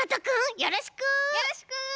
よろしく！